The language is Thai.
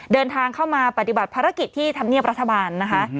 เดินทางเข้ามาปฏิบัติภารกิจที่ธรรมเนียบรัฐบาลนะคะ